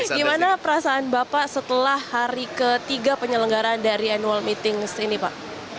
gimana perasaan bapak setelah hari ketiga penyelenggaran dari annual meeting ini pak